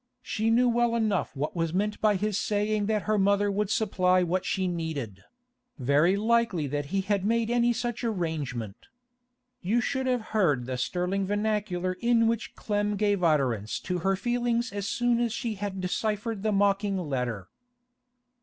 She knew well enough what was meant by his saying that her mother would supply what she needed; very likely that he had made any such arrangement! You should have heard the sterling vernacular in which Clem gave utterance to her feelings as soon as she had deciphered the mocking letter?